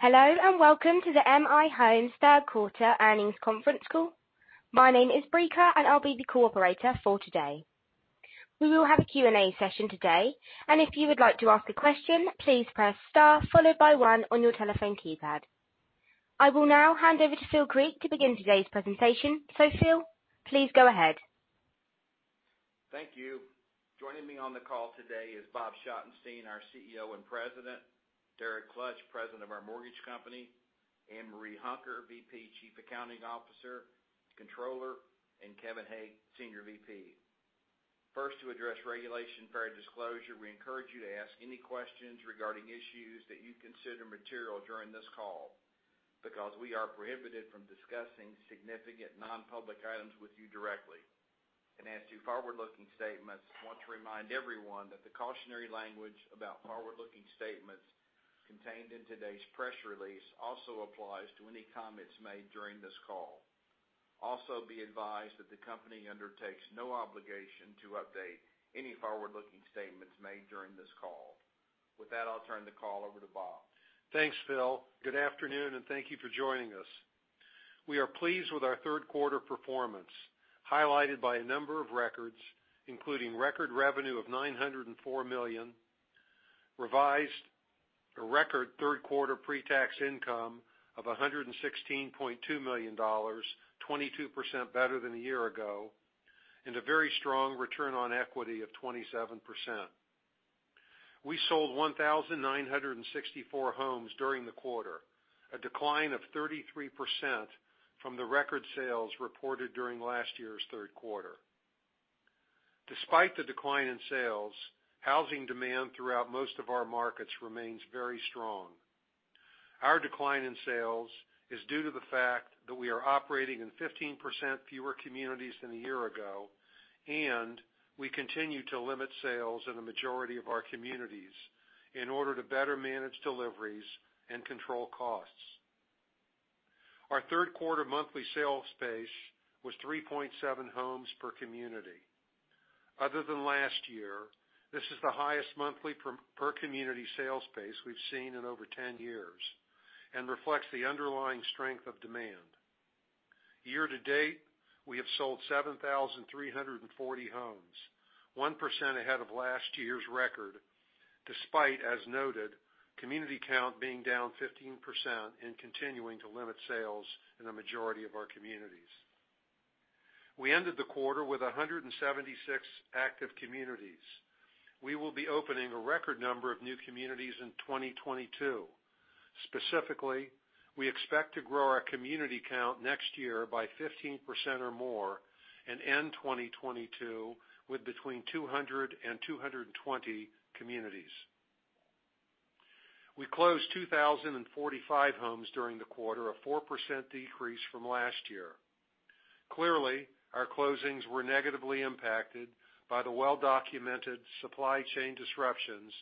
Hello, and welcome to the M/I Homes third quarter earnings conference call. My name is Brika, and I'll be the operator for today. We will have a Q&A session today. If you would like to ask a question, please press star followed by one on your telephone keypad. I will now hand over to Phil Creek to begin today's presentation. Phil, please go ahead. Thank you. Joining me on the call today is Bob Schottenstein, our CEO and President, Derek Klutch, President of our mortgage company, Ann Marie Hunker, VP, Chief Accounting Officer, Controller, and Kevin Hake, Senior VP. First, to address Regulation Fair Disclosure, we encourage you to ask any questions regarding issues that you consider material during this call because we are prohibited from discussing significant non-public items with you directly. As to forward-looking statements, I want to remind everyone that the cautionary language about forward-looking statements contained in today's press release also applies to any comments made during this call. Also, be advised that the company undertakes no obligation to update any forward-looking statements made during this call. With that, I'll turn the call over to Bob. Thanks, Phil. Good afternoon, and thank you for joining us. We are pleased with our third quarter performance, highlighted by a number of records, including record revenue of $904 million and a record third quarter pre-tax income of $116.2 million, 22% better than a year ago, and a very strong return on equity of 27%. We sold 1,964 homes during the quarter, a decline of 33% from the record sales reported during last year's third quarter. Despite the decline in sales, housing demand throughout most of our markets remains very strong. Our decline in sales is due to the fact that we are operating in 15% fewer communities than a year ago, and we continue to limit sales in the majority of our communities in order to better manage deliveries and control costs. Our third quarter monthly sales pace was 3.7 homes per community. Other than last year, this is the highest monthly per community sales pace we've seen in over 10 years and reflects the underlying strength of demand. Year to date, we have sold 7,340 homes, 1% ahead of last year's record, despite, as noted, community count being down 15% and continuing to limit sales in the majority of our communities. We ended the quarter with 176 active communities. We will be opening a record number of new communities in 2022. Specifically, we expect to grow our community count next year by 15% or more and end 2022 with between 200 and 220 communities. We closed 2,045 homes during the quarter, a 4% decrease from last year. Clearly, our closings were negatively impacted by the well-documented supply chain disruptions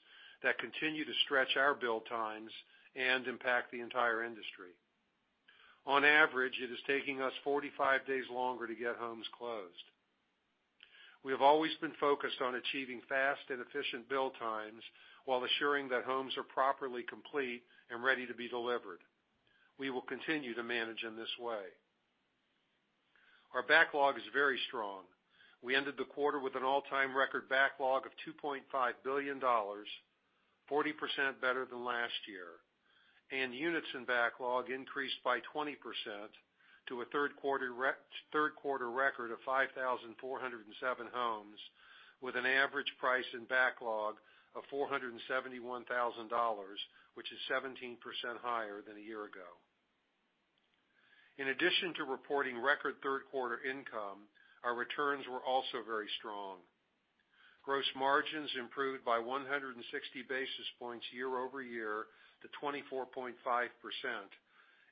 that continue to stretch our build times and impact the entire industry. On average, it is taking us 45 days longer to get homes closed. We have always been focused on achieving fast and efficient build times while assuring that homes are properly complete and ready to be delivered. We will continue to manage in this way. Our backlog is very strong. We ended the quarter with an all-time record backlog of $2.5 billion, 40% better than last year, and units in backlog increased by 20% to a third quarter record of 5,407 homes, with an average price in backlog of $471,000, which is 17% higher than a year ago. In addition to reporting record third quarter income, our returns were also very strong. Gross margins improved by 160 basis points year-over-year to 24.5%,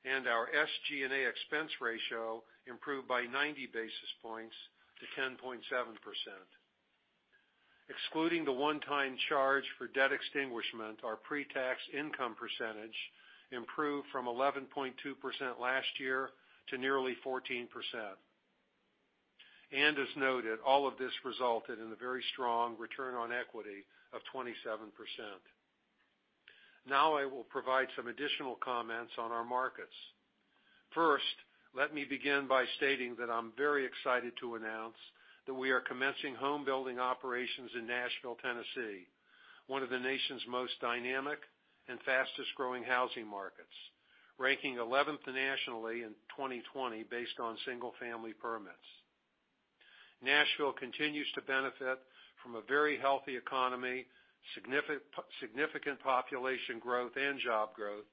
and our SG&A expense ratio improved by 90 basis points to 10.7%. Excluding the one-time charge for debt extinguishment, our pre-tax income percentage improved from 11.2% last year to nearly 14%. As noted, all of this resulted in a very strong return on equity of 27%. Now I will provide some additional comments on our markets. First, let me begin by stating that I'm very excited to announce that we are commencing home building operations in Nashville, Tennessee, one of the nation's most dynamic and fastest-growing housing markets, ranking eleventh nationally in 2020 based on single-family permits. Nashville continues to benefit from a very healthy economy, significant population growth and job growth,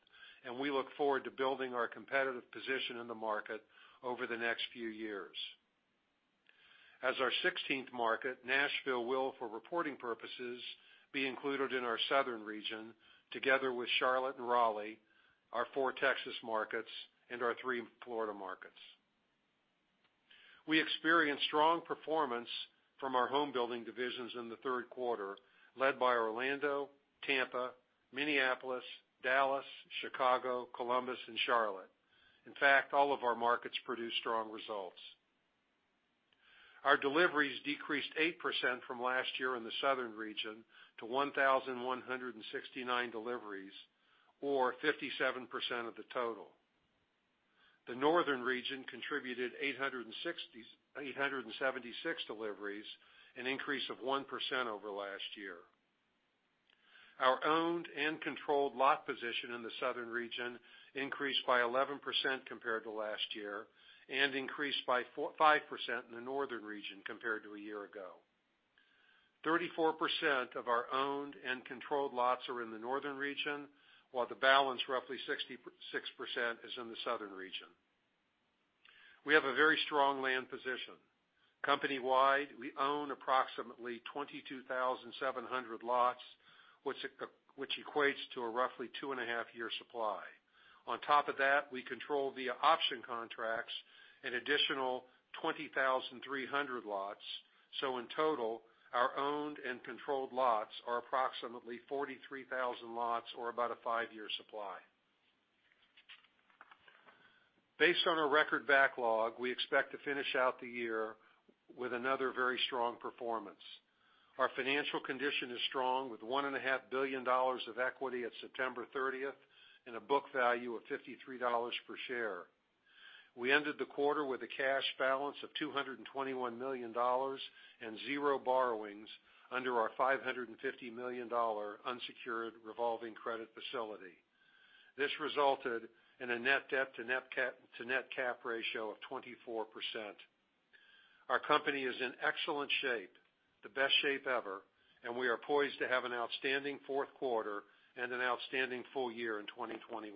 and we look forward to building our competitive position in the market over the next few years. As our sixteenth market, Nashville will, for reporting purposes, be included in our Southern region together with Charlotte and Raleigh, our four Texas markets, and our three Florida markets. We experienced strong performance from our home building divisions in the third quarter, led by Orlando, Tampa, Minneapolis, Dallas, Chicago, Columbus, and Charlotte. In fact, all of our markets produced strong results. Our deliveries decreased 8% from last year in the southern region to 1,169 deliveries, or 57% of the total. The northern region contributed 876 deliveries, an increase of 1% over last year. Our owned and controlled lot position in the southern region increased by 11% compared to last year, and increased by 5% in the northern region compared to a year ago. 34% of our owned and controlled lots are in the northern region, while the balance, roughly 66%, is in the southern region. We have a very strong land position. Company-wide, we own approximately 22,700 lots, which equates to a roughly 2.5-year supply. On top of that, we control via option contracts an additional 20,300 lots. In total, our owned and controlled lots are approximately 43,000 lots, or about a 5-year supply. Based on our record backlog, we expect to finish out the year with another very strong performance. Our financial condition is strong with $1.5 billion of equity at September 30 and a book value of $53 per share. We ended the quarter with a cash balance of $221 million and zero borrowings under our $550 million unsecured revolving credit facility. This resulted in a net debt to net capital ratio of 24%. Our company is in excellent shape, the best shape ever, and we are poised to have an outstanding fourth quarter and an outstanding full year in 2021.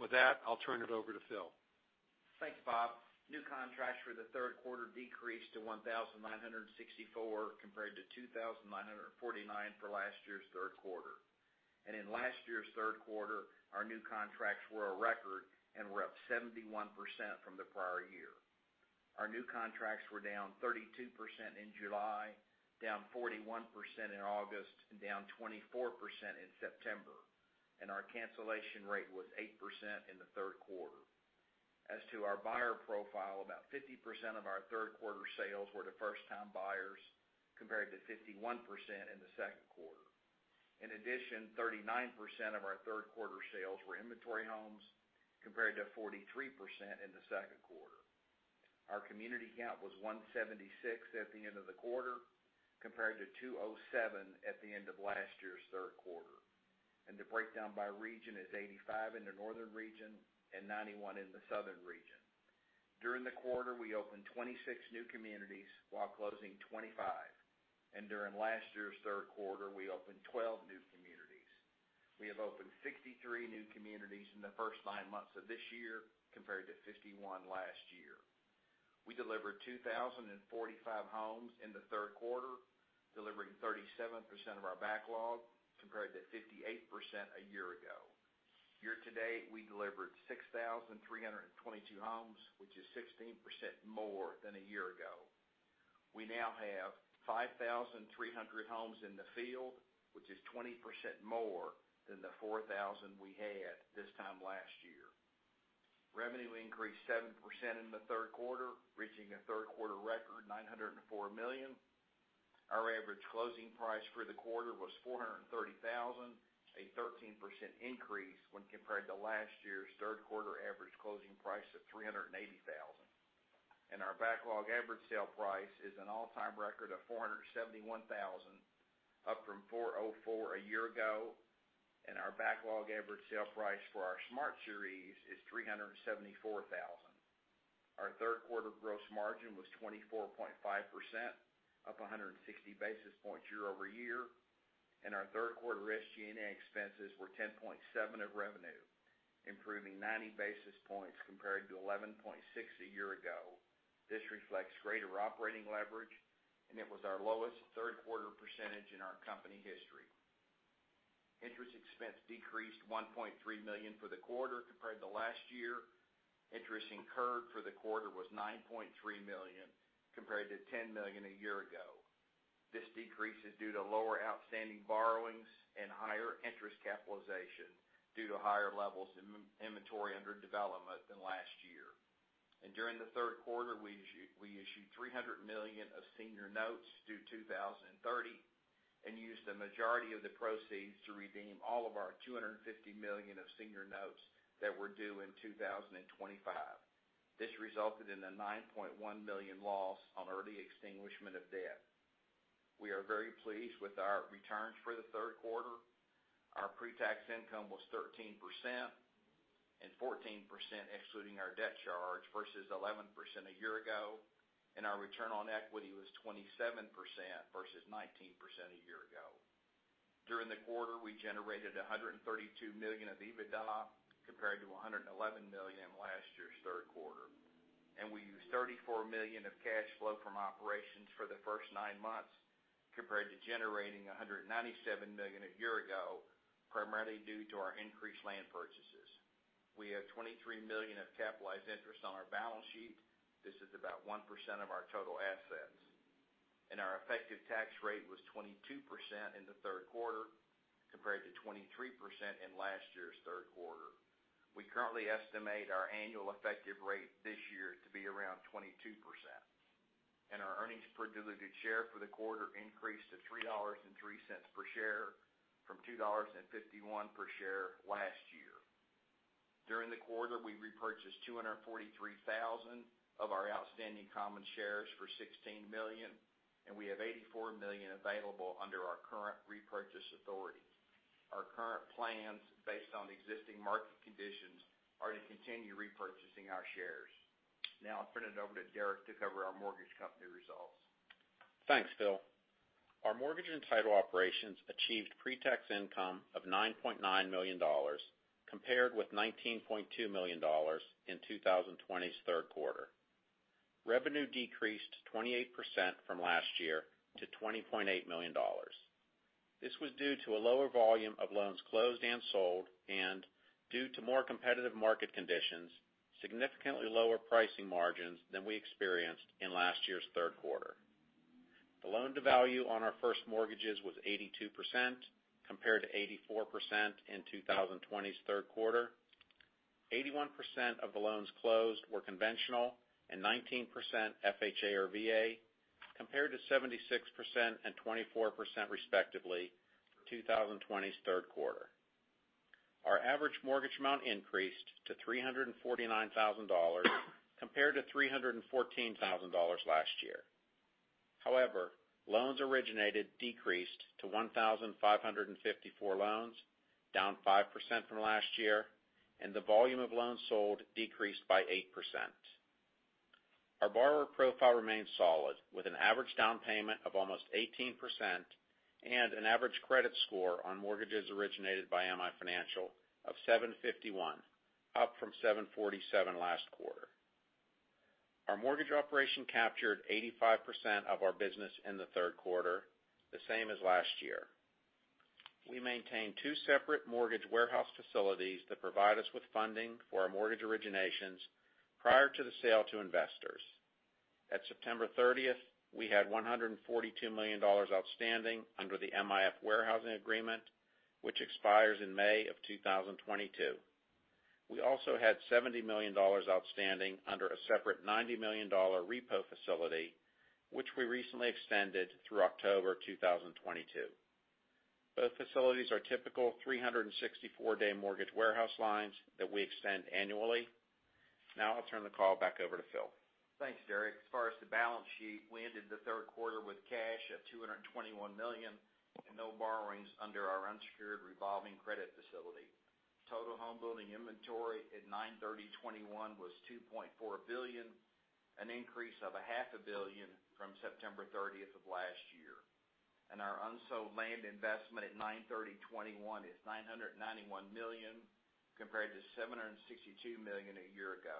With that, I'll turn it over to Phil. Thanks, Bob. New contracts for the third quarter decreased to 1,964, compared to 2,949 for last year's third quarter. In last year's third quarter, our new contracts were a record and were up 71% from the prior year. Our new contracts were down 32% in July, down 41% in August, and down 24% in September, and our cancellation rate was 8% in the third quarter. As to our buyer profile, about 50% of our third quarter sales were to first-time buyers, compared to 51% in the second quarter. In addition, 39% of our third quarter sales were inventory homes, compared to 43% in the second quarter. Our community count was 176 at the end of the quarter, compared to 207 at the end of last year's third quarter. The breakdown by region is 85 in the northern region and 91 in the southern region. During the quarter, we opened 26 new communities while closing 25. During last year's third quarter, we opened 12 new communities. We have opened 63 new communities in the first 9 months of this year, compared to 51 last year. We delivered 2,045 homes in the third quarter, delivering 37% of our backlog, compared to 58% a year ago. Year-to-date, we delivered 6,322 homes, which is 16% more than a year ago. We now have 5,300 homes in the field, which is 20% more than the 4,000 we had this time last year. Revenue increased 7% in the third quarter, reaching a third quarter record of $904 million. Our average closing price for the quarter was $430,000, a 13% increase when compared to last year's third quarter average closing price of $380,000. Our backlog average sale price is an all-time record of $471,000, up from $404,000 a year ago. Our backlog average sale price for our Smart Series is $374,000. Our third quarter gross margin was 24.5%, up a hundred and sixty basis points year-over-year. Our third quarter SG&A expenses were 10.7% of revenue, improving 90 basis points compared to 11.6% a year ago. This reflects greater operating leverage, and it was our lowest third quarter percentage in our company history. Interest expense decreased $1.3 million for the quarter compared to last year. Interest incurred for the quarter was $9.3 million, compared to $10 million a year ago. This decrease is due to lower outstanding borrowings and higher interest capitalization due to higher levels of in-inventory under development than last year. During the third quarter, we issued $300 million of senior notes due 2030, and used the majority of the proceeds to redeem all of our $250 million of senior notes that were due in 2025. This resulted in a $9.1 million loss on early extinguishment of debt. We are very pleased with our returns for the third quarter. Our pre-tax income was 13%, and 14% excluding our debt charge, versus 11% a year ago. Our return on equity was 27% versus 19% a year ago. During the quarter, we generated $132 million of EBITDA, compared to $111 million last year's third quarter. We used $34 million of cash flow from operations for the first nine months, compared to generating $197 million a year ago, primarily due to our increased land purchases. We have $23 million of capitalized interest on our balance sheet. This is about 1% of our total assets. Our effective tax rate was 22% in the third quarter compared to 23% in last year's third quarter. We currently estimate our annual effective rate this year to be around 22%. Our earnings per diluted share for the quarter increased to $3.03 per share from $2.51 per share last year. During the quarter, we repurchased 243,000 of our outstanding common shares for $16 million, and we have $84 million available under our current repurchase authority. Our current plans, based on the existing market conditions, are to continue repurchasing our shares. Now I'll turn it over to Derek to cover our mortgage company results. Thanks, Phil. Our mortgage and title operations achieved pretax income of $9.9 million compared with $19.2 million in 2020's third quarter. Revenue decreased 28% from last year to $20.8 million. This was due to a lower volume of loans closed and sold, and due to more competitive market conditions, significantly lower pricing margins than we experienced in last year's third quarter. The loan to value on our first mortgages was 82% compared to 84% in 2020's third quarter. 81% of the loans closed were conventional and 19% FHA or VA, compared to 76% and 24%, respectively, in 2020's third quarter. Our average mortgage amount increased to $349,000 compared to $314,000 last year. However, loans originated decreased to 1,554 loans, down 5% from last year, and the volume of loans sold decreased by 8%. Our borrower profile remains solid, with an average down payment of almost 18% and an average credit score on mortgages originated by M/I Financial of 751, up from 747 last quarter. Our mortgage operation captured 85% of our business in the third quarter, the same as last year. We maintain two separate mortgage warehouse facilities that provide us with funding for our mortgage originations prior to the sale to investors. At September 30, we had $142 million outstanding under the M/I Financial warehousing agreement, which expires in May 2022. We also had $70 million outstanding under a separate $90 million repo facility, which we recently extended through October 2022. Both facilities are typical 364-day mortgage warehouse lines that we extend annually. Now I'll turn the call back over to Phil. Thanks, Derek. As far as the balance sheet, we ended the third quarter with cash of $221 million and no borrowings under our unsecured revolving credit facility. Total home building inventory at 9/30/2021 was $2.4 billion, an increase of $0.5 billion from September 30 of last year. Our unsold land investment at 9/30/2021 is $991 million, compared to $762 million a year ago.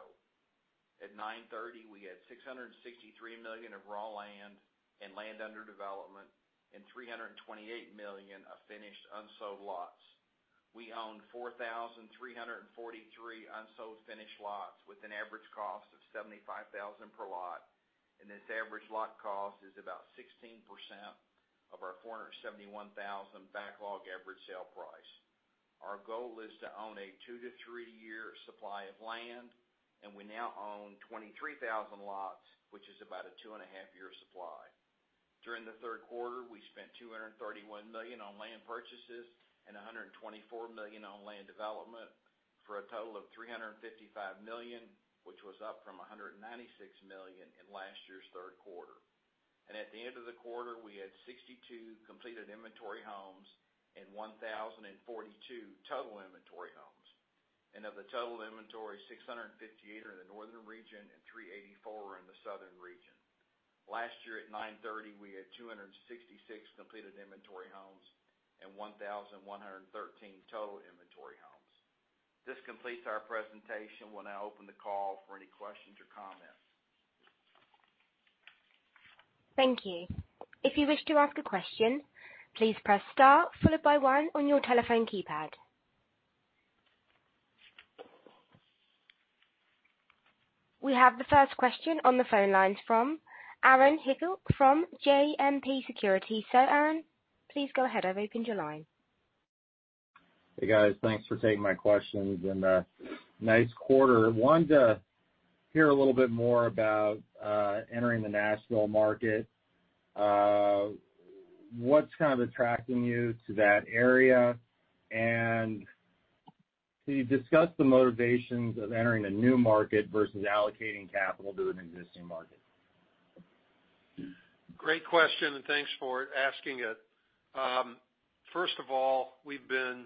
At 9/30, we had $663 million of raw land and land under development and $328 million of finished unsold lots. We own 4,343 unsold finished lots with an average cost of $75,000 per lot, and this average lot cost is about 16% of our $471,000 backlog average sale price. Our goal is to own a two to three year supply of land, and we now own 23,000 lots, which is about a 2.5-year supply. During the third quarter, we spent $231 million on land purchases and $124 million on land development, for a total of $355 million, which was up from $196 million in last year's third quarter. At the end of the quarter, we had 62 completed inventory homes and 1,042 total inventory homes. Of the total inventory, 658 are in the Northern region and 384 are in the Southern region. Last year at 9/30, we had 266 completed inventory homes and 1,113 total inventory homes. This completes our presentation. We'll now open the call for any questions or comments. We have the first question on the phone lines from Alan Ratner from Zelman & Associates. Alan, please go ahead. I've opened your line. Hey, guys. Thanks for taking my questions and nice quarter. Wanted to hear a little bit more about entering the Nashville market. What's kind of attracting you to that area? Can you discuss the motivations of entering a new market versus allocating capital to an existing market? Great question, and thanks for asking it. First of all, we've been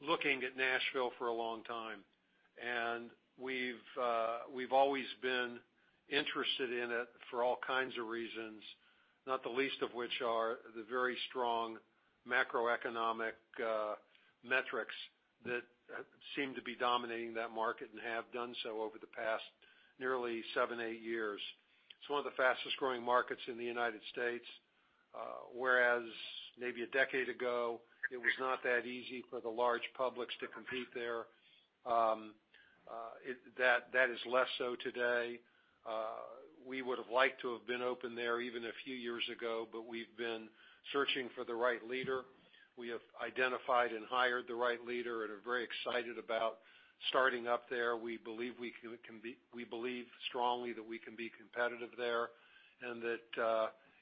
looking at Nashville for a long time, and we've always been interested in it for all kinds of reasons, not the least of which are the very strong macroeconomic metrics that seem to be dominating that market and have done so over the past nearly seven, eight years. It's one of the fastest-growing markets in the United States. Whereas maybe a decade ago, it was not that easy for the large publics to compete there. That is less so today. We would have liked to have been open there even a few years ago, but we've been searching for the right leader. We have identified and hired the right leader and are very excited about starting up there. We believe strongly that we can be competitive there and that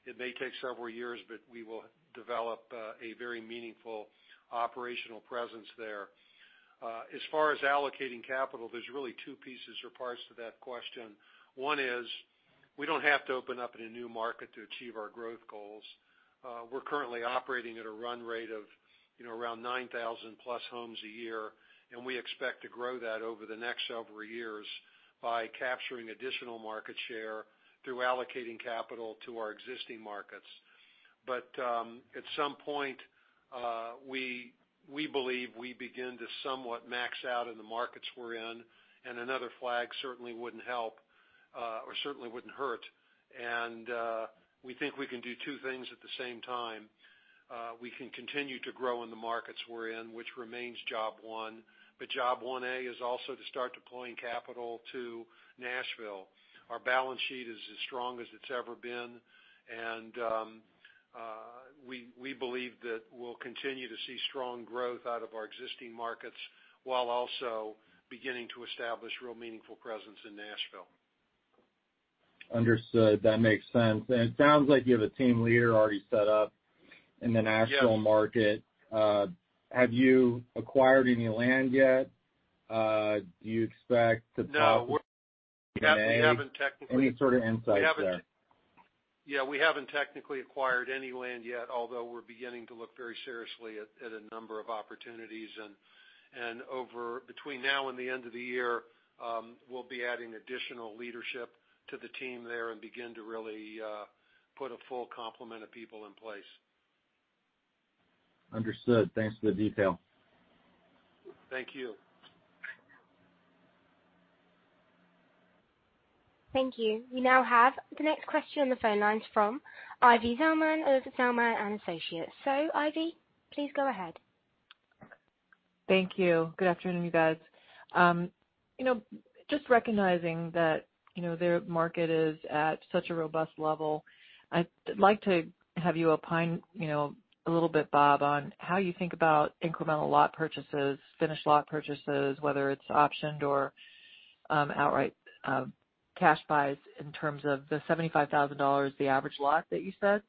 it may take several years, but we will develop a very meaningful operational presence there. As far as allocating capital, there's really two pieces or parts to that question. One is, we don't have to open up in a new market to achieve our growth goals. We're currently operating at a run rate of, you know, around 9,000+ homes a year, and we expect to grow that over the next several years by capturing additional market share through allocating capital to our existing markets. At some point, we believe we begin to somewhat max out in the markets we're in, and another flag certainly wouldn't help, or certainly wouldn't hurt. We think we can do two things at the same time. We can continue to grow in the markets we're in, which remains job one. Job one A is also to start deploying capital to Nashville. Our balance sheet is as strong as it's ever been, and we believe that we'll continue to see strong growth out of our existing markets while also beginning to establish real meaningful presence in Nashville. Understood. That makes sense. It sounds like you have a team leader already set up in the Nashville market. Yeah. Have you acquired any land yet? Do you expect to talk any sort of insights there? Yeah, we haven't technically acquired any land yet, although we're beginning to look very seriously at a number of opportunities. Over between now and the end of the year, we'll be adding additional leadership to the team there and begin to really put a full complement of people in place. Understood. Thanks for the detail. Thank you. Thank you. We now have the next question on the phone lines from Ivy Zelman of Zelman & Associates. Ivy, please go ahead. Thank you. Good afternoon, you guys. You know, just recognizing that, you know, their market is at such a robust level, I'd like to have you opine, you know, a little bit, Bob, on how you think about incremental lot purchases, finished lot purchases, whether it's optioned or outright cash buys in terms of the $75,000, the average lot that you said.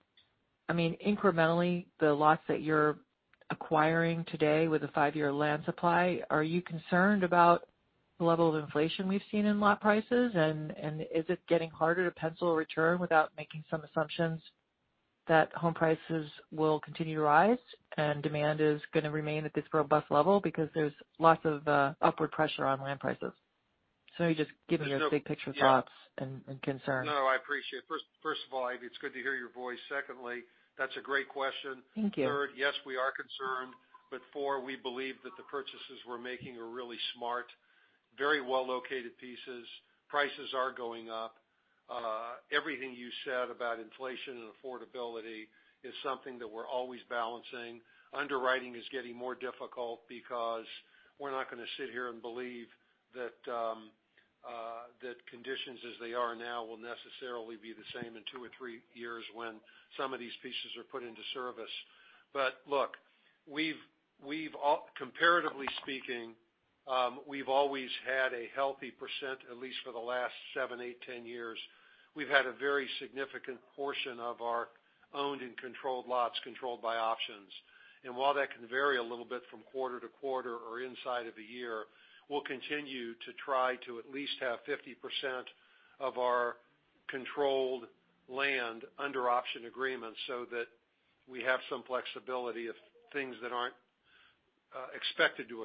I mean, incrementally, the lots that you're acquiring today with a five-year land supply, are you concerned about the level of inflation we've seen in lot prices? And is it getting harder to pencil a return without making some assumptions that home prices will continue to rise and demand is gonna remain at this robust level because there's lots of upward pressure on land prices. You're just giving your big picture thoughts and concerns. No, I appreciate. First of all, Ivy, it's good to hear your voice. Secondly, that's a great question. Thank you. Third, yes, we are concerned. Four, we believe that the purchases we're making are really smart, very well-located pieces. Prices are going up. Everything you said about inflation and affordability is something that we're always balancing. Underwriting is getting more difficult because we're not gonna sit here and believe that conditions as they are now will necessarily be the same in two or three years when some of these pieces are put into service. Look, comparatively speaking, we've always had a healthy percent, at least for the last seven, eight, 10 years. We've had a very significant portion of our owned and controlled lots controlled by options. While that can vary a little bit from quarter to quarter or inside of a year, we'll continue to try to at least have 50% of our controlled land under option agreements so that we have some flexibility if things that aren't expected to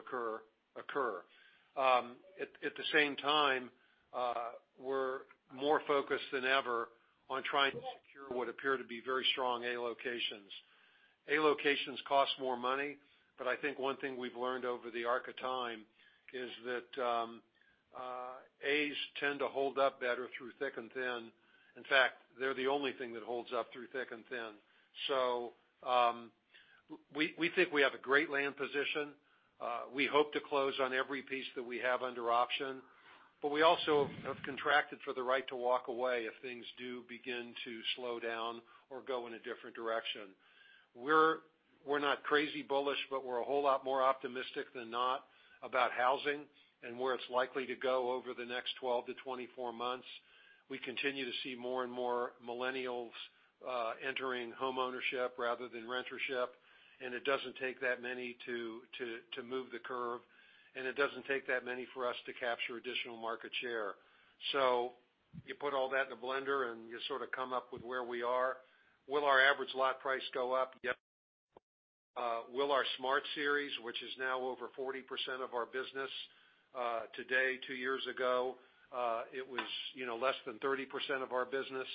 occur. At the same time, we're more focused than ever on trying to secure what appear to be very strong A locations. A locations cost more money, but I think one thing we've learned over the arc of time is that, A's tend to hold up better through thick and thin. In fact, they're the only thing that holds up through thick and thin. We think we have a great land position. We hope to close on every piece that we have under option, but we also have contracted for the right to walk away if things do begin to slow down or go in a different direction. We're not crazy bullish, but we're a whole lot more optimistic than not about housing and where it's likely to go over the next 12-24 months. We continue to see more and more millennials entering home ownership rather than rentership, and it doesn't take that many to move the curve, and it doesn't take that many for us to capture additional market share. You put all that in a blender and you sort of come up with where we are. Will our average lot price go up? Yep. Will our Smart Series, which is now over 40% of our business, today, two years ago, it was, you know, less than 30% of our business,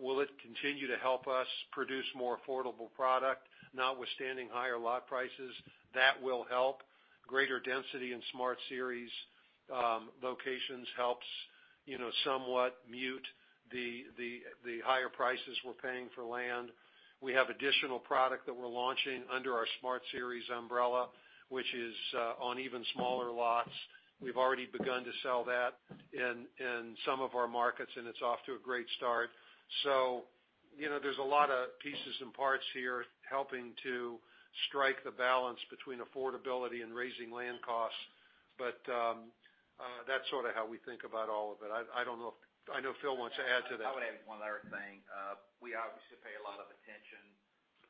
will it continue to help us produce more affordable product, notwithstanding higher lot prices? That will help. Greater density in Smart Series locations helps. You know, somewhat mitigate the higher prices we're paying for land. We have additional product that we're launching under our Smart Series umbrella, which is on even smaller lots. We've already begun to sell that in some of our markets, and it's off to a great start. You know, there's a lot of pieces and parts here helping to strike the balance between affordability and rising land costs. That's sort of how we think about all of it. I don't know if... I know Phil wants to add to that. I would add one other thing. We obviously pay a lot of attention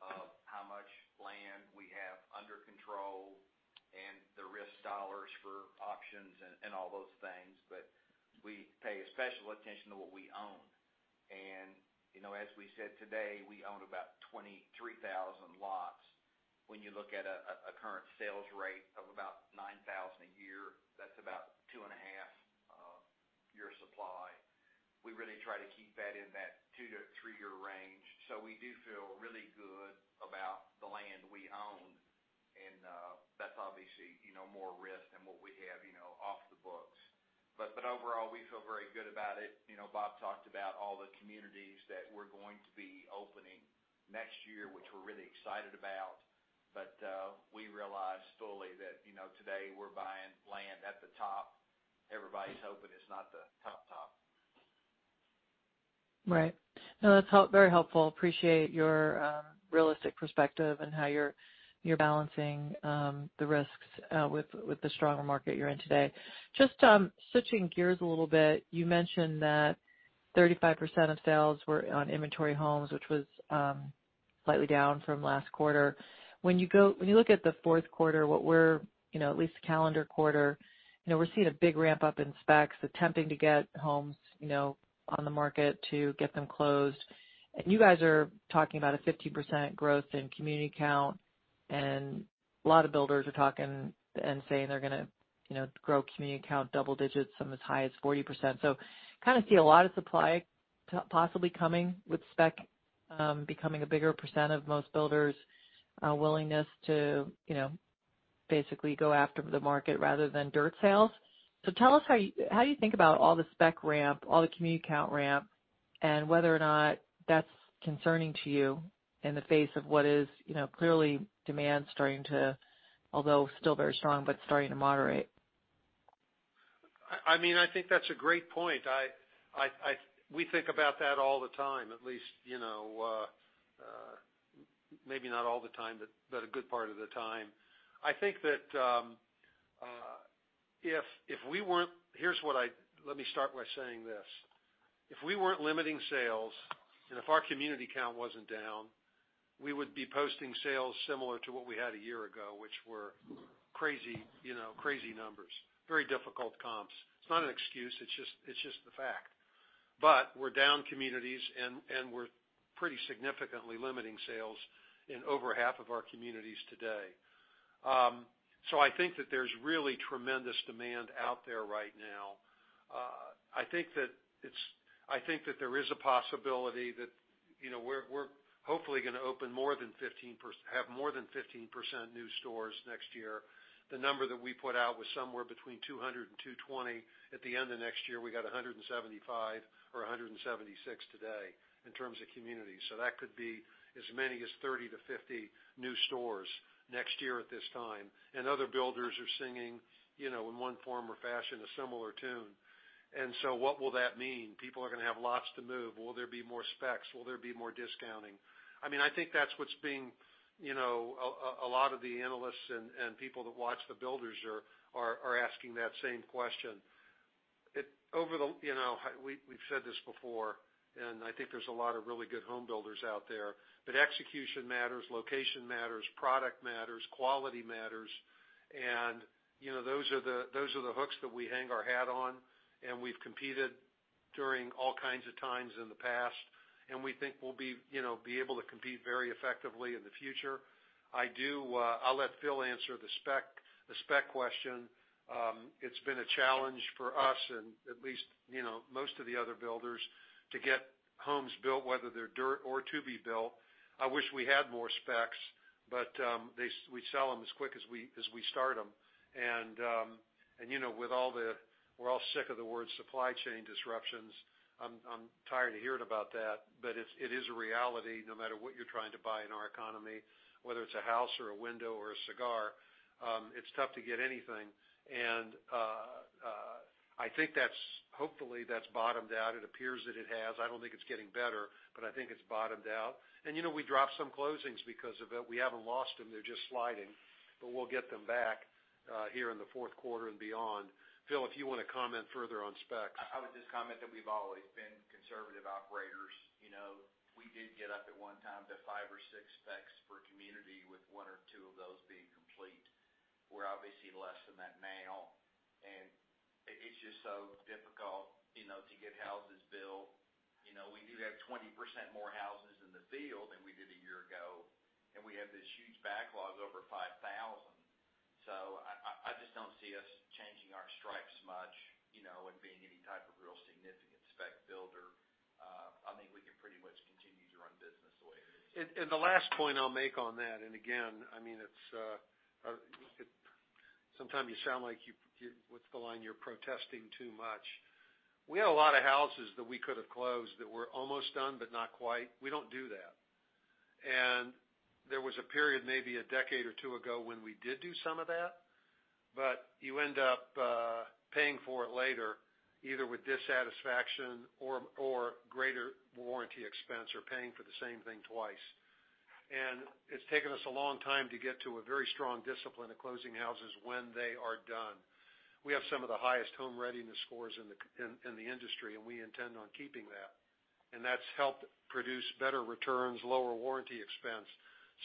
to how much land we have under control and the dollars at risk for options and all those things. We pay special attention to what we own. You know, as we said today, we own about 23,000 lots. When you look at our current sales rate of about 9,000 a year, that's about 2.5-year supply. We really try to keep that in that two to three year range. We do feel really good about the land we own, and that's obviously, you know, more risk than what we have, you know, off the books. Overall, we feel very good about it. You know, Bob talked about all the communities that we're going to be opening next year, which we're really excited about. We realize fully that, you know, today we're buying land at the top. Everybody's hoping it's not the top-top. Right. No, that's very helpful. Appreciate your realistic perspective and how you're balancing the risks with the stronger market you're in today. Just switching gears a little bit, you mentioned that 35% of sales were on inventory homes, which was slightly down from last quarter. When you look at the fourth quarter, what we're, you know, at least calendar quarter, you know, we're seeing a big ramp-up in specs, attempting to get homes, you know, on the market to get them closed. You guys are talking about a 50% growth in community count, and a lot of builders are talking and saying they're gonna, you know, grow community count double digits, some as high as 40%. Kind of see a lot of supply possibly coming with spec, becoming a bigger percent of most builders' willingness to, you know, basically go after the market rather than dirt sales. Tell us how you think about all the spec ramp, all the community count ramp, and whether or not that's concerning to you in the face of what is, you know, clearly demand starting to, although still very strong, but starting to moderate. I mean, I think that's a great point. We think about that all the time, at least, you know, maybe not all the time, but a good part of the time. I think that if we weren't limiting sales, and if our community count wasn't down, we would be posting sales similar to what we had a year ago, which were crazy, you know, crazy numbers, very difficult comps. It's not an excuse, it's just the fact. We're down communities and we're pretty significantly limiting sales in over half of our communities today. I think that there's really tremendous demand out there right now. I think that there is a possibility that, you know, we're hopefully gonna open more than 15% new stores next year. The number that we put out was somewhere between 200 and 220 at the end of next year. We got 175 or 176 today in terms of communities. That could be as many as 30 to 50 new stores next year at this time. Other builders are singing, you know, in one form or fashion, a similar tune. What will that mean? People are gonna have lots to move. Will there be more specs? Will there be more discounting? I mean, I think that's what's being, you know. A lot of the analysts and people that watch the builders are asking that same question. We've said this before, and I think there's a lot of really good home builders out there, but execution matters, location matters, product matters, quality matters. You know, those are the hooks that we hang our hat on, and we've competed during all kinds of times in the past, and we think we'll be able to compete very effectively in the future. I'll let Phil answer the spec question. It's been a challenge for us and at least, you know, most of the other builders to get homes built, whether they're dirt or to be built. I wish we had more specs, but we sell them as quick as we start them. You know, we're all sick of the word supply chain disruptions. I'm tired of hearing about that, but it is a reality no matter what you're trying to buy in our economy, whether it's a house or a window or a cigar, it's tough to get anything. I think that's hopefully bottomed out. It appears that it has. I don't think it's getting better, but I think it's bottomed out. You know, we dropped some closings because of it. We haven't lost them, they're just sliding. We'll get them back here in the fourth quarter and beyond. Phillip, if you wanna comment further on specs. I would just comment that we've always been conservative operators. You know, we did get up at one time to 5 or 6 specs per community with 1 or 2 of those being complete. We're obviously less than that now. It's just so difficult, you know, to get houses built. You know, we do have 20% more houses in the field than we did a year ago, and we have this huge backlog of over 5,000. I just don't see us changing our stripes much, you know, and being any type of real estate The last point I'll make on that, and again, I mean, it's sometimes you sound like what's the line? You're protesting too much. We have a lot of houses that we could have closed that were almost done, but not quite. We don't do that. There was a period maybe a decade or two ago when we did do some of that, but you end up paying for it later, either with dissatisfaction or greater warranty expense or paying for the same thing twice. It's taken us a long time to get to a very strong discipline of closing houses when they are done. We have some of the highest home readiness scores in the industry, and we intend on keeping that. That's helped produce better returns, lower warranty expense.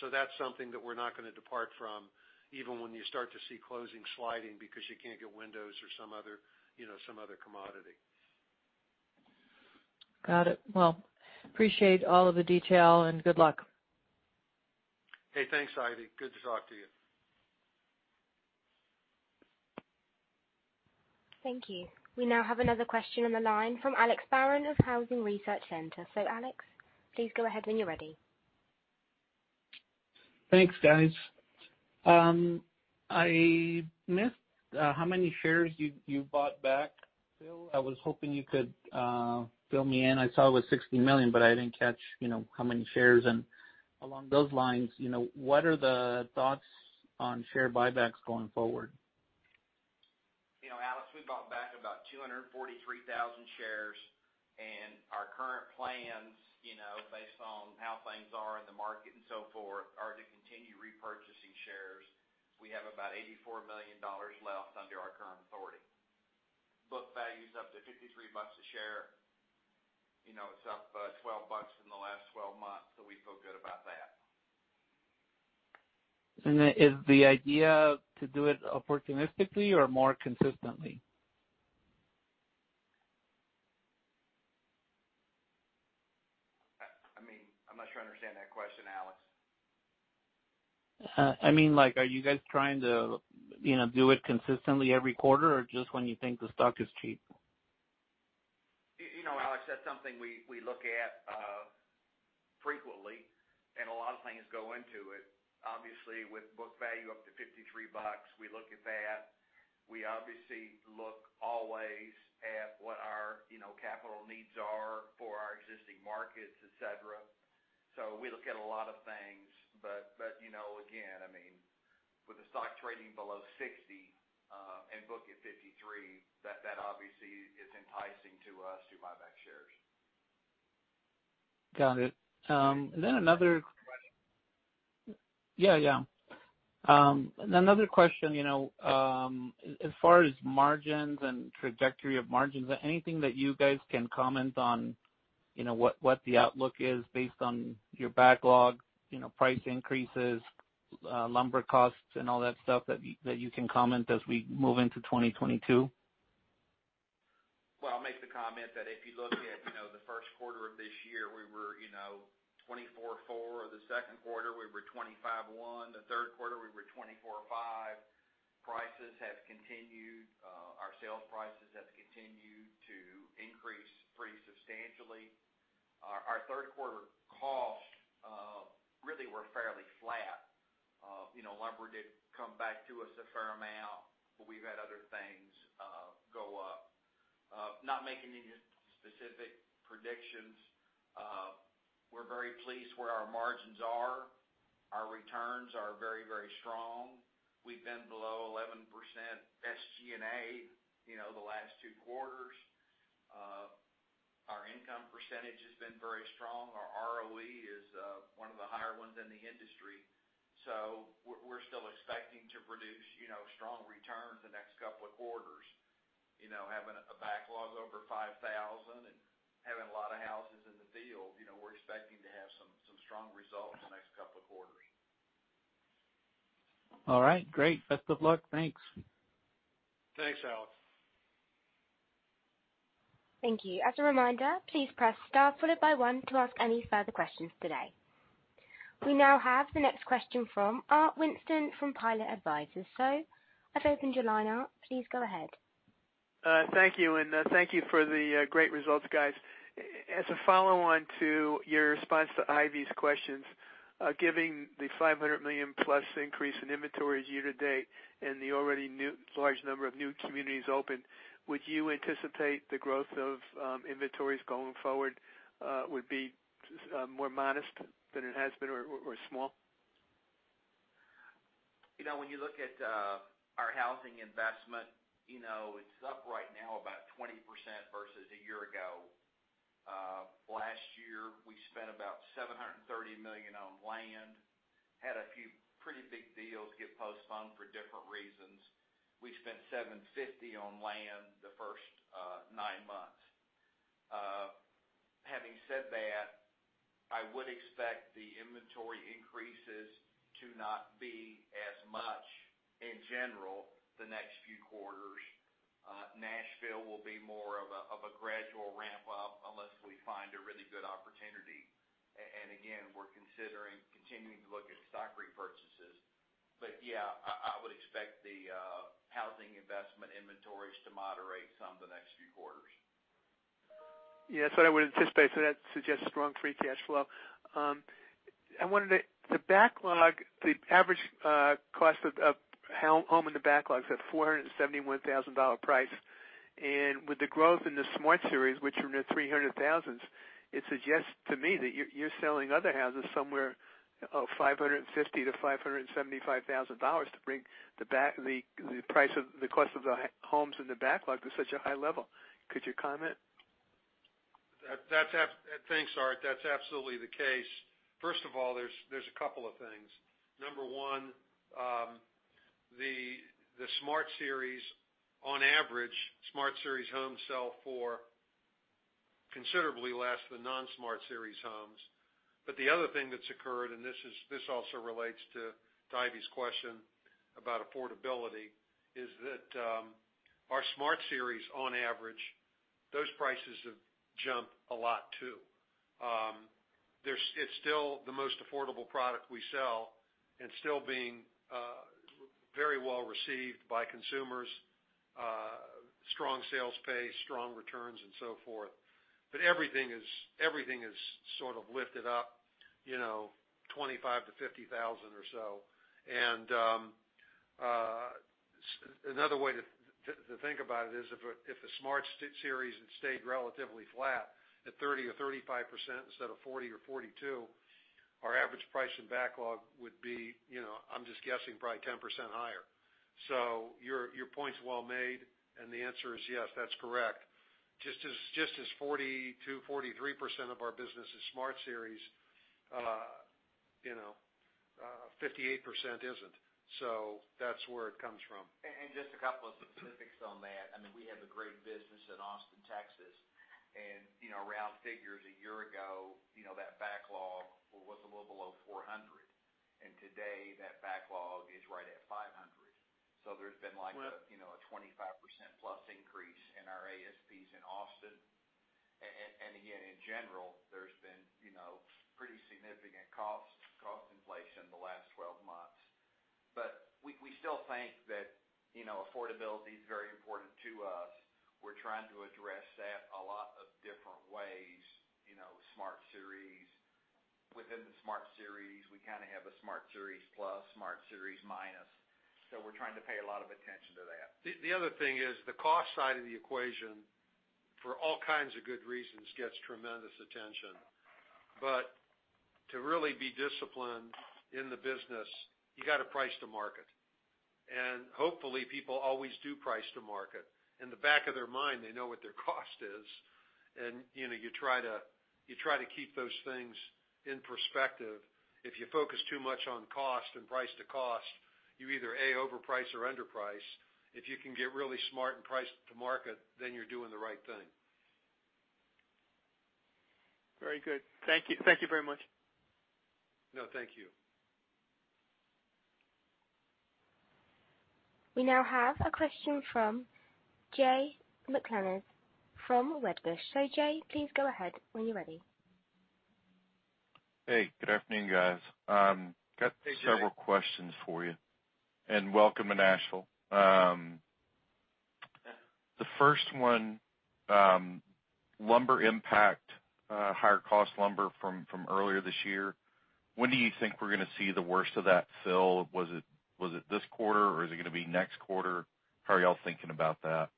That's something that we're not gonna depart from, even when you start to see closing sliding because you can't get windows or some other, you know, some other commodity. Got it. Well, I appreciate all of the detail and good luck. Hey, thanks, Ivy. Good to talk to you. Thank you. We now have another question on the line from Alex Barron of Housing Research Center. So Alex, please go ahead when you're ready. Thanks, guys. I missed how many shares you bought back, Bill. I was hoping you could fill me in. I saw it was $60 million, but I didn't catch, you know, how many shares. Along those lines, you know, what are the thoughts on share buybacks going forward? You know, Alex, we bought back about 243,000 shares, and our current plans, you know, based on how things are in the market and so forth, are to continue repurchasing shares. We have about $84 million left under our current authority. Book value is up to $53 a share. You know, it's up twelve bucks in the last 12 months, so we feel good about that. Is the idea to do it opportunistically or more consistently? I mean, I'm not sure I understand that question, Alex. I mean like, are you guys trying to, you know, do it consistently every quarter or just when you think the stock is cheap? You know, Alex, that's something we look at frequently, and a lot of things go into it. Obviously, with book value up to $53, we look at that. We obviously look always at what our, you know, capital needs are for our existing markets, et cetera. We look at a lot of things. You know, again, I mean, with the stock trading below $60 and book at $53, that obviously is enticing to us to buy back shares. Got it. Yeah, yeah. Another question, you know, as far as margins and trajectory of margins, anything that you guys can comment on, you know, what the outlook is based on your backlog, you know, price increases, lumber costs and all that stuff that you can comment as we move into 2022? Well, I'll make the comment that if you look at, you know, the first quarter of this year, we were, you know, 244. The second quarter we were 251. The third quarter we were 245. Prices have continued, our sales prices have continued to increase pretty substantially. Our third quarter costs really were fairly flat. You know, lumber did come back to us a fair amount, but we've had other things go up. Not making any specific predictions. We're very pleased where our margins are. Our returns are very, very strong. We've been below 11% SG&A, you know, the last two quarters. Our income percentage has been very strong. Our ROE is one of the higher ones in the industry. We're still expecting to produce, you know, strong returns the next couple of quarters. You know, having a backlog over 5,000 and having a lot of houses in the field, you know, we're expecting to have some strong results the next couple of quarters. All right, great. Best of luck. Thanks. Thanks, Alex. Thank you. As a reminder, please press star followed by one to ask any further questions today. We now have the next question from Art Winston from Pilot Advisors. I've opened your line, Art. Please go ahead. Thank you, and thank you for the great results, guys. As a follow-on to your response to Ivy's questions, giving the $500 million plus increase in inventory year to date and the already new large number of new communities open, would you anticipate the growth of inventories going forward would be more modest than it has been or small? You know, when you look at our housing investment, you know, it's up right now about 20% versus a year ago. Last year, we spent about $730 million on land, had a few pretty big deals get postponed for different reasons. We spent $750 million on land the first nine months. Having said that, I would expect the inventory increases to not be as much in general the next few quarters. Nashville will be more of a gradual ramp-up unless we find a really good opportunity. And again, we're considering continuing to look at stock. Yeah, I would expect the housing investment inventories to moderate some the next few quarters. Yeah, that's what I would anticipate. That suggests strong free cash flow. I wondered, the backlog, the average cost of home in the backlog at $471,000 price. With the growth in the Smart Series, which are in the 300,000s, it suggests to me that you're selling other houses somewhere, oh, $550,000-$575,000 to bring the price of the cost of the homes in the backlog to such a high level. Could you comment? Thanks, Art. That's absolutely the case. First of all, there's a couple of things. Number one, the Smart Series, on average, Smart Series homes sell for considerably less than non-Smart Series homes. The other thing that's occurred, and this also relates to Ivy's question about affordability, is that, our Smart Series, on average, those prices have jumped a lot too. It's still the most affordable product we sell and still being very well-received by consumers, strong sales pace, strong returns and so forth. Everything is sort of lifted up, you know, $25,000-$50,000 or so. Another way to think about it is if the Smart Series had stayed relatively flat at 30% or 35% instead of 40% or 42%, our average price in backlog would be, you know, I'm just guessing, probably 10% higher. Your point's well made, and the answer is yes, that's correct. Just as 42%-43% of our business is Smart Series, 58% isn't. That's where it comes from. Just a couple of specifics on that. I mean, we have a great business in Austin, Texas. You know, rough figures a year ago, you know, that backlog was a little below 400. Today, that backlog is right at 500. There's been like a- Right... you know, a 25%+ increase in our ASPs in Austin. Again, in general, there's been, you know, pretty significant cost inflation in the last 12 months. We still think that, you know, affordability is very important to us. We're trying to address that a lot of different ways, you know, with Smart Series. Within the Smart Series, we kind of have a Smart Series Plus, Smart Series Minus. We're trying to pay a lot of attention to that. The other thing is the cost side of the equation for all kinds of good reasons gets tremendous attention. To really be disciplined in the business, you gotta price to market. Hopefully, people always do price to market. In the back of their mind, they know what their cost is, and you know, you try to keep those things in perspective. If you focus too much on cost and price to cost, you either, A, overprice or underprice. If you can get really smart and price to market, then you're doing the right thing. Very good. Thank you. Thank you very much. No, thank you. We now have a question from Jay McCanless from Wedbush. Jay, please go ahead when you're ready. Hey, good afternoon, guys. Hey, Jay. I got several questions for you. Welcome to Nashville. The first one, lumber impact, higher cost lumber from earlier this year, when do you think we're gonna see the worst of that, Phil? Was it this quarter, or is it gonna be next quarter? How are y'all thinking about that?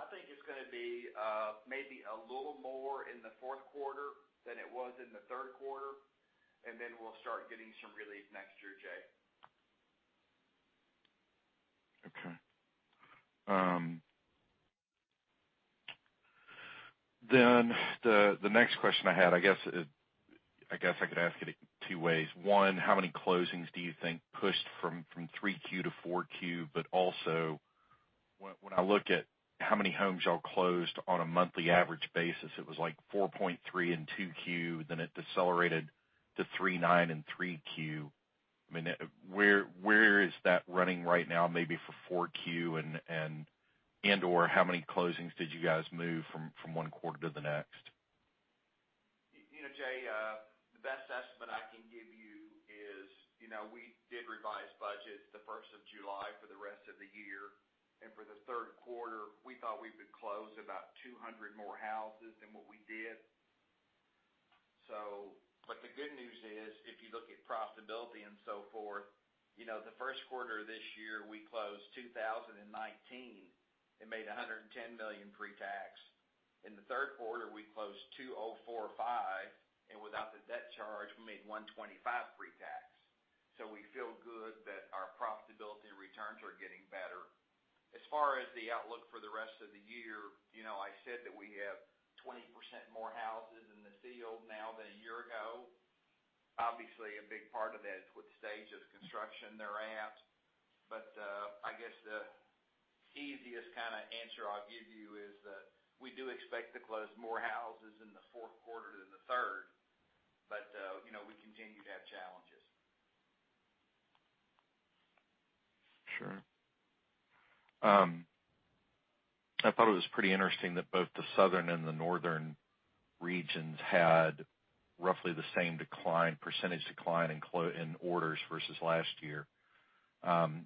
I think it's gonna be, maybe a little more in the fourth quarter than it was in the third quarter, and then we'll start getting some relief next year, Jay. The next question I had, I guess I could ask it two ways. One, how many closings do you think pushed from 3Q to 4Q? But also, when I look at how many homes y'all closed on a monthly average basis, it was like 4.3 in 2Q, then it decelerated to 3.9 in 3Q. I mean, where is that running right now, maybe for 4Q and/or how many closings did you guys move from one quarter to the next? You know, Jay, the best estimate I can give you is, you know, we did revise budgets the first of July for the rest of the year. For the third quarter, we thought we would close about 200 more houses than what we did. The good news is, if you look at profitability and so forth, you know, the first quarter this year, we closed 2,019 and made $110 million pre-tax. In the third quarter, we closed 2,045, and without the debt charge, we made $125 million pre-tax. We feel good that our profitability and returns are getting better. As far as the outlook for the rest of the year, you know, I said that we have 20% more houses in the field now than a year ago. Obviously, a big part of that is what stage of construction they're at. I guess the easiest kind of answer I'll give you is that we do expect to close more houses in the fourth quarter than the third, but, you know, we continue to have challenges. I thought it was pretty interesting that both the Southern and the Northern regions had roughly the same decline, percentage decline in orders versus last year.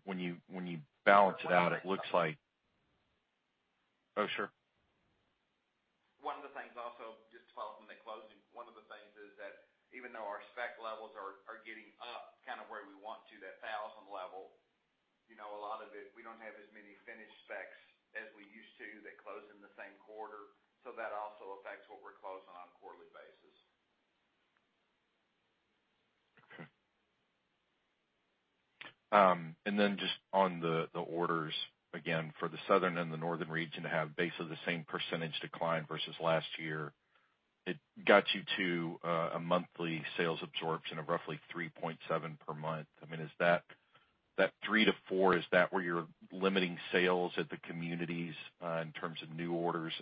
When you balance it out, it looks like. Oh, sure. One of the things also, just to follow from the closing, one of the things is that even though our spec levels are getting up kind of where we want to, that 1,000 level, you know, a lot of it, we don't have as many finished specs as we used to that close in the same quarter. That also affects what we're closing on a quarterly basis. Okay. And then just on the orders, again, for the Southern and the Northern region to have basically the same percentage decline versus last year, it got you to a monthly sales absorption of roughly 3.7 per month. I mean, is that three to four, is that where you're limiting sales at the communities in terms of new orders?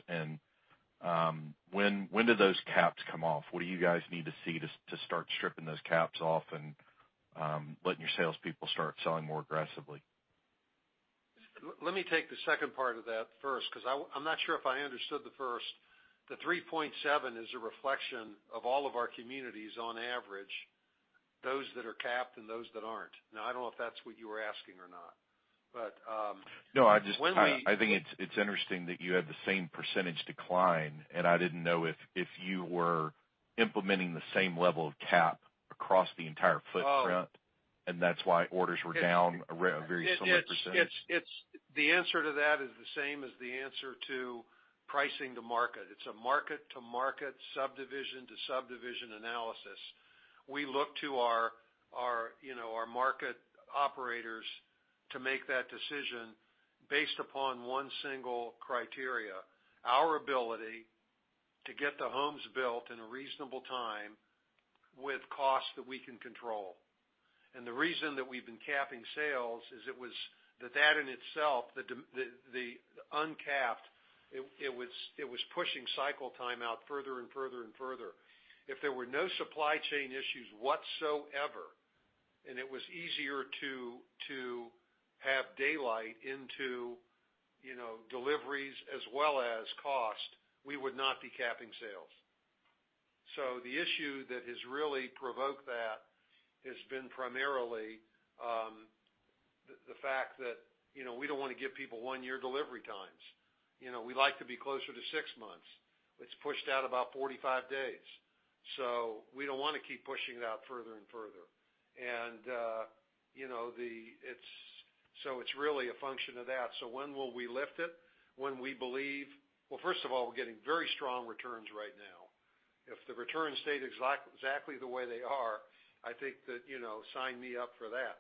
When do those caps come off? What do you guys need to see to start stripping those caps off and letting your salespeople start selling more aggressively? Let me take the second part of that first, because I'm not sure if I understood the first. The 3.7 is a reflection of all of our communities on average, those that are capped and those that aren't. Now, I don't know if that's what you were asking or not. No, I just think it's interesting that you had the same percentage decline, and I didn't know if you were implementing the same level of cap across the entire footprint. Oh that's why orders were down a very similar percentage. It's the answer to that is the same as the answer to pricing to market. It's a market-to-market, subdivision-to-subdivision analysis. We look to our you know, our market operators to make that decision based upon one single criteria, our ability to get the homes built in a reasonable time with costs that we can control. The reason that we've been capping sales is that in itself, the uncapped, it was pushing cycle time out further and further. If there were no supply chain issues whatsoever, and it was easier to have daylight into, you know, deliveries as well as cost, we would not be capping sales. The issue that has really provoked that has been primarily, the fact that, you know, we don't wanna give people one-year delivery times. You know, we like to be closer to six months. It's pushed out about 45 days. We don't wanna keep pushing it out further and further. You know, it's really a function of that. When will we lift it? When we believe, well, first of all, we're getting very strong returns right now. If the returns stayed exactly the way they are, I think that, you know, sign me up for that.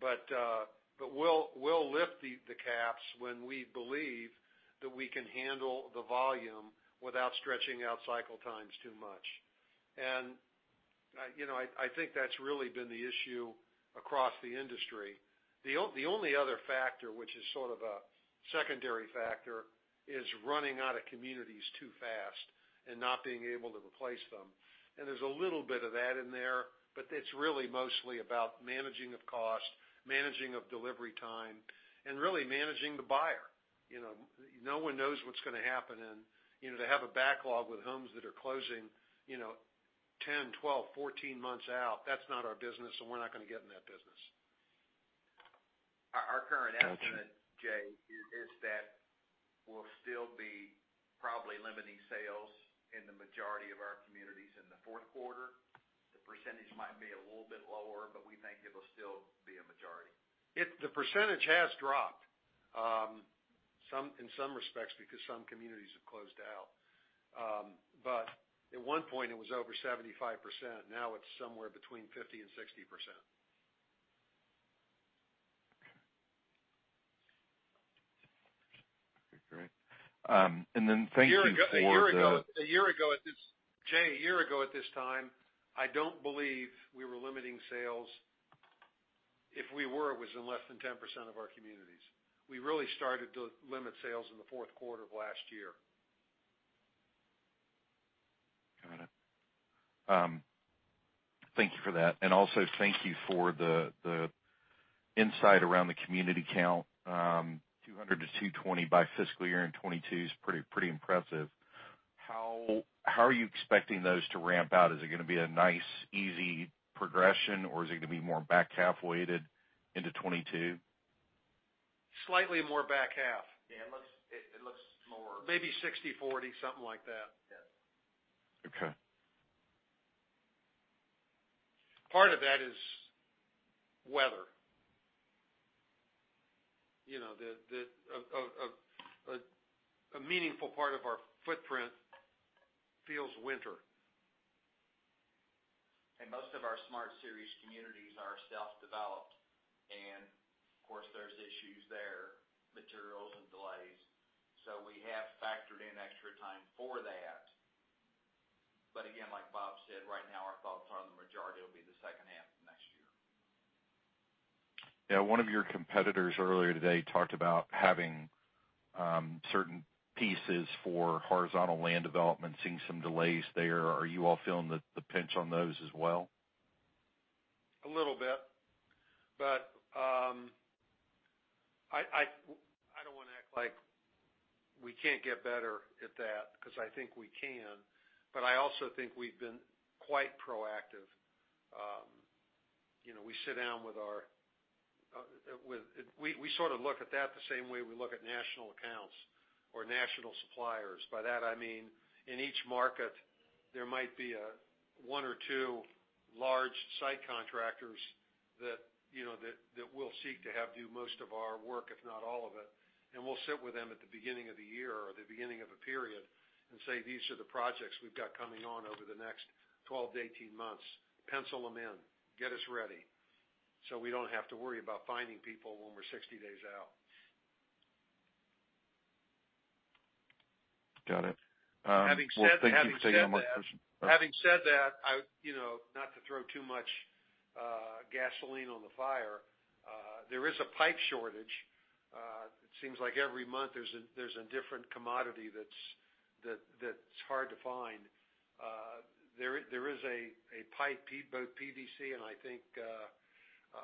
We'll lift the caps when we believe that we can handle the volume without stretching out cycle times too much. You know, I think that's really been the issue across the industry. The only other factor, which is sort of a secondary factor, is running out of communities too fast and not being able to replace them. There's a little bit of that in there, but it's really mostly about managing of cost, managing of delivery time, and really managing the buyer. You know, no one knows what's gonna happen, and, you know, to have a backlog with homes that are closing, you know, 10, 12, 14 months out, that's not our business, and we're not gonna get in that business. Our current estimate. Okay... Jay, is that we'll still be probably limiting sales in the majority of our communities in the fourth quarter. The percentage might be a little bit lower, but we think it'll still be a majority. The percentage has dropped some, in some respects because some communities have closed out. At one point, it was over 75%. Now it's somewhere between 50% and 60%. Okay. Okay, great. Thank you for the- A year ago at this time, Jay, I don't believe we were limiting sales. If we were, it was in less than 10% of our communities. We really started to limit sales in the fourth quarter of last year. Got it. Thank you for that. Also thank you for the insight around the community count. 200 to 220 by fiscal year-end 2022 is pretty impressive. How are you expecting those to ramp out? Is it gonna be a nice, easy progression, or is it gonna be more back half-weighted into 2022? Slightly more back half. Yeah, it looks more- Maybe 60/40, something like that. Yeah. Okay. Part of that is weather. You know, a meaningful part of our footprint feels winter. Most of our Smart Series communities are self-developed. Of course, there's issues there, materials and delays. We have factored in extra time for that. Again, like Bob said, right now our thoughts are the majority will be the second half of next year. Yeah, one of your competitors earlier today talked about having certain pieces for horizontal land development, seeing some delays there. Are you all feeling the pinch on those as well? A little bit. I don't wanna act like we can't get better at that because I think we can. I also think we've been quite proactive, you know, we sit down with our we sort of look at that the same way we look at national accounts or national suppliers. By that, I mean, in each market, there might be one or two large site contractors that, you know, will seek to have do most of our work, if not all of it. We'll sit with them at the beginning of the year or the beginning of a period and say, "These are the projects we've got coming on over the next 12-18 months. Pencil them in. Get us ready so we don't have to worry about finding people when we're 60 days out. Got it. Well, thank you for taking all my questions. Having said that. Oh. Having said that, I, you know, not to throw too much gasoline on the fire. There is a pipe shortage. It seems like every month there's a different commodity that's hard to find. There is a pipe, both PVC and, I think,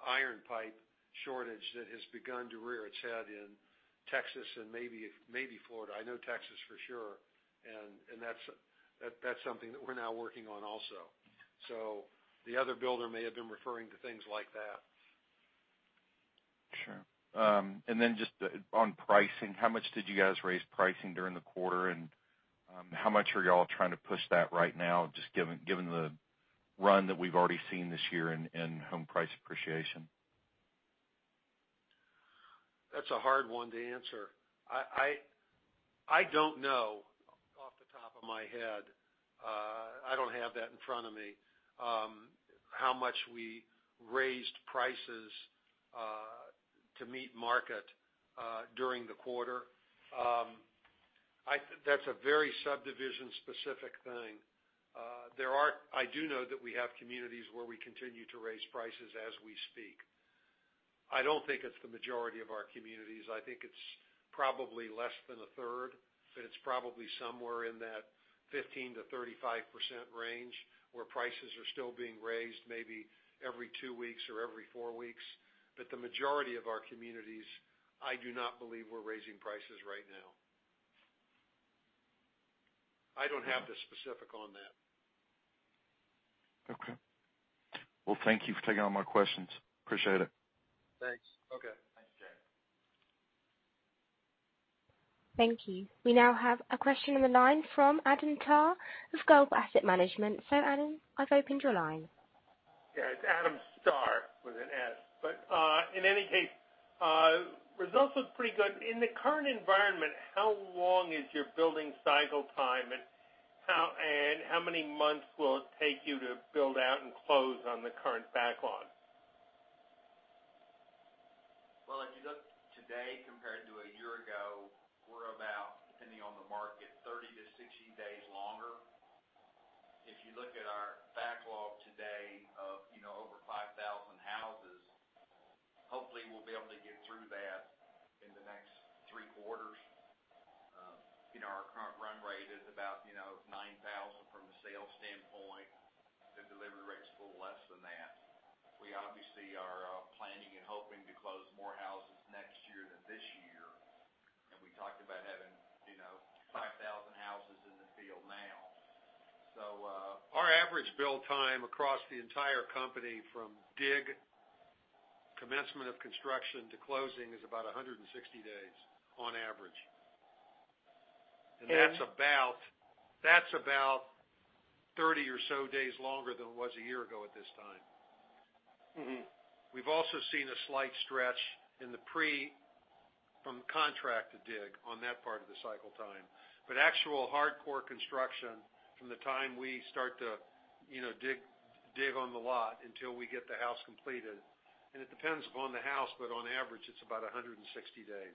iron pipe shortage that has begun to rear its head in Texas and maybe Florida. I know Texas for sure. That's something that we're now working on also. The other builder may have been referring to things like that. Sure. Just on pricing, how much did you guys raise pricing during the quarter? How much are y'all trying to push that right now, just given the run that we've already seen this year in home price appreciation? That's a hard one to answer. I don't know off the top of my head. I don't have that in front of me, how much we raised prices to meet market during the quarter. That's a very subdivision-specific thing. I do know that we have communities where we continue to raise prices as we speak. I don't think it's the majority of our communities. I think it's probably less than a third, but it's probably somewhere in that 15%-35% range, where prices are still being raised maybe every two weeks or every four weeks. The majority of our communities, I do not believe we're raising prices right now. I don't have the specific on that. Okay. Well, thank you for taking all my questions. Appreciate it. Thanks. Okay. Thanks, Jay. Thank you. We now have a question on the line from Adam Starr of Global Asset Management. Adam, I've opened your line. Yeah. It's Adam Starr with an S. In any case, results look pretty good. In the current environment, how long is your building cycle time, and how many months will it take you to build out and close on the current backlog? Well, if you look today compared to a year ago, we're about, depending on the market, 30-60 days longer. If you look at our backlog today of, you know, over 5,000 houses, hopefully we'll be able to get through that in the next three quarters. You know, our current run rate is about, you know, 9,000 from a sales standpoint. The delivery rate is a little less than that. We obviously are planning and hoping to close more houses next year than this year. We talked about having, you know, 5,000 houses in the field now. Our average build time across the entire company from dig, commencement of construction to closing is about 160 days on average. And- That's about 30 or so days longer than it was a year ago at this time. We've also seen a slight stretch in the pre, from contract to dig on that part of the cycle time. Actual hardcore construction from the time we start to, you know, dig on the lot until we get the house completed, and it depends upon the house, but on average it's about 160 days.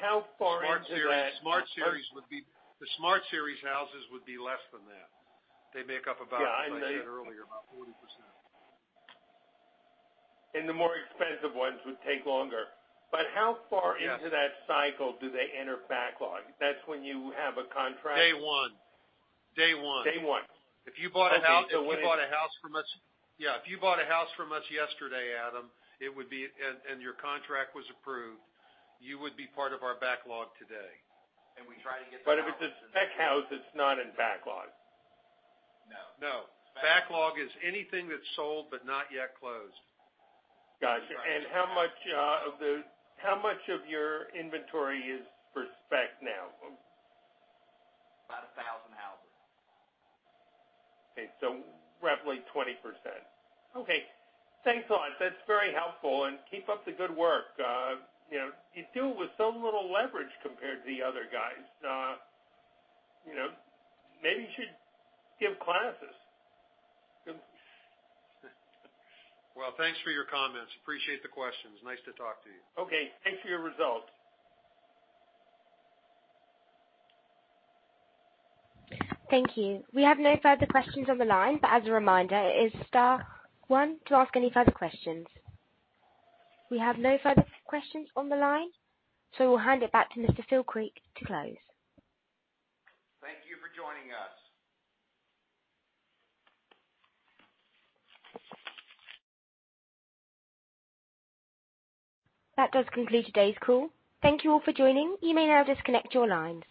How far into that- Smart Series would be. The Smart Series houses would be less than that. They make up about Yeah, they as I said earlier, about 40%. The more expensive ones would take longer. Yes. How far into that cycle do they enter backlog? That's when you have a contract. Day one. Day one. If you bought a house. Okay. Yeah, if you bought a house from us yesterday, Adam, it would be, and your contract was approved, you would be part of our backlog today. We try to get the houses. If it's a spec house, it's not in backlog. No. No. Backlog is anything that's sold but not yet closed. Gotcha. That's right. How much of your inventory is for spec now? About 1,000 houses. Okay. Roughly 20%. Okay. Thanks a lot. That's very helpful. Keep up the good work. You know, you do it with so little leverage compared to the other guys. You know, maybe you should give classes. Well, thanks for your comments. Appreciate the questions. Nice to talk to you. Okay. Thanks for your results. Thank you. We have no further questions on the line, but as a reminder, it is star one to ask any further questions. We have no further questions on the line, so we'll hand it back to Mr. Phil Creek to close. Thank you for joining us. That does conclude today's call. Thank you all for joining. You may now disconnect your lines.